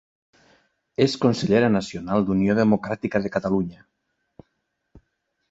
És consellera nacional d'Unió Democràtica de Catalunya.